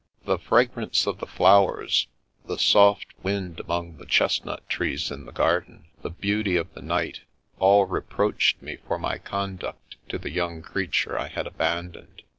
The fragrance of the flowers, the soft wind among the chestnut trees in the garden, the beauty of the night, all reproached me for my conduct to the young creature I had abandoned.